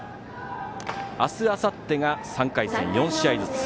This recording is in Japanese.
明日、あさってが３回戦、４試合ずつ。